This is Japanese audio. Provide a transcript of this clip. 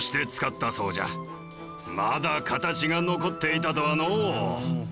まだ形が残っていたとはのう。